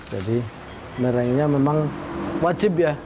jadi mirengnya memang wajib ya